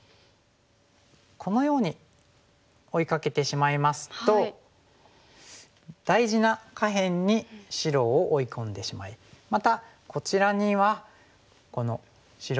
このように追いかけてしまいますと大事な下辺に白を追い込んでしまいまたこちらにはこの白石がちょうど待っていますね。